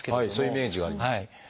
はいそういうイメージはあります。